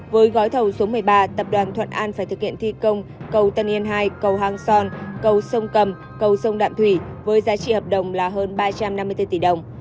với gói thầu số một mươi ba tập đoàn thuận an phải thực hiện thi công cầu tân yên hai cầu hang son cầu sông cầm cầu sông đạm thủy với giá trị hợp đồng là hơn ba trăm năm mươi bốn tỷ đồng